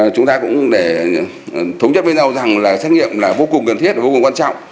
chúng ta cũng để thống nhất với nhau rằng là xét nghiệm là vô cùng cần thiết và vô cùng quan trọng